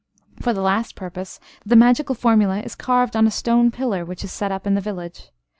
For the last purpose, the magical formula is carved on a stone pillar, which is set up in the village.